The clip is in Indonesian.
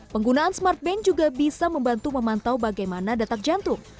penggunaan smartbank juga bisa membantu memantau bagaimana detak jantung